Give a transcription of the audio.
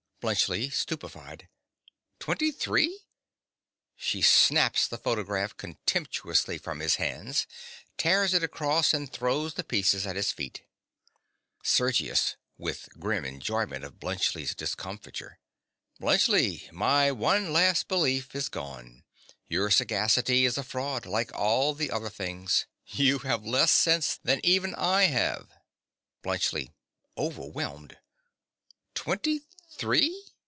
BLUNTSCHLI. (stupefied). Twenty three! (She snaps the photograph contemptuously from his hand; tears it across; and throws the pieces at his feet.) SERGIUS. (with grim enjoyment of Bluntschli's discomfiture). Bluntschli: my one last belief is gone. Your sagacity is a fraud, like all the other things. You have less sense than even I have. BLUNTSCHLI. (overwhelmed). Twenty three!